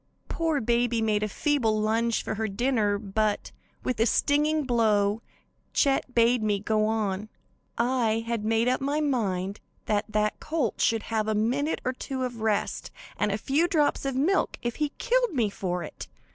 "Poor baby made a feeble lunge for her dinner, but, with a stinging blow, Chet bade me go on. I had made up my mind that that colt should have a minute or two of rest and a few drops of milk if he killed me for it.